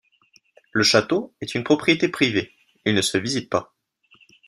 Le château est une propriété privée, il ne se visite pas.